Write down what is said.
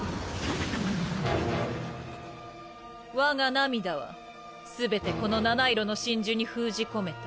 我が涙はすべてこの七色の真珠に封じ込めた。